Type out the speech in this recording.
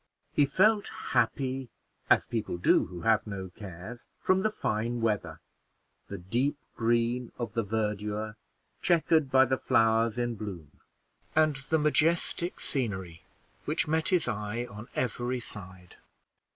He felt happy, as people do who have no cares, from the fine weather the deep green of the verdure checkered by the flowers in bloom, and the majestic scenery which met his eye on every side.